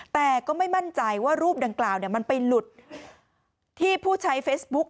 แต่ก็ไม่มั่นใจว่ารูปดังกล่าวมันไปหลุดที่ผู้ใช้เฟซบุ๊ก